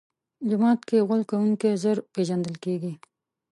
جومات کې غول کوونکی ژر پېژندل کېږي.